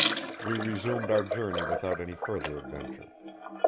We resumed our journey without any further adventure.